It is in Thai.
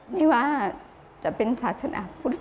ไม่ว่าจะเป็นศาสนาพุทธ